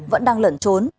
vẫn đang lẩn trốn